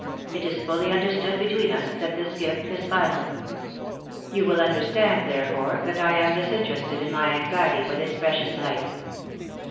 It is fully understood between us that this gift is final You will understand, therefore, that I am disinterested in my anxiety for this precious life.